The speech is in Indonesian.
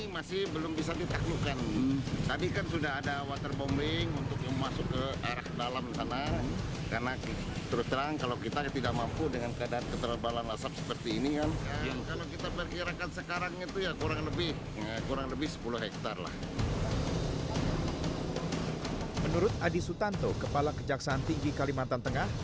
menurut adi sutanto kepala kejaksaan tinggi kalimantan tengah